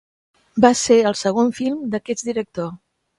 Va ser el segon film d’aquest director.